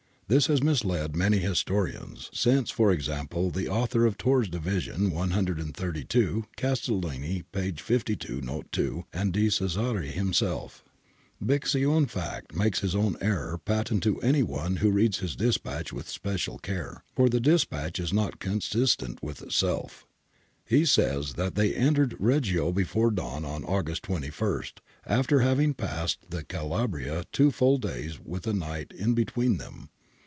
This has misled many historians since, e.g. the author of Tiirrs Div. 132; Castellini, p. 52 note 2, and De Cesare himself Bixio, in fact, makes his own error patent to any one who reads his dispatch with special care, for the dispatch is not consistent with itself. He says {Bixio, 234), that they entered Reggio before dawn on August 21,^ after having passed in Cala bria two full days with a night in between them.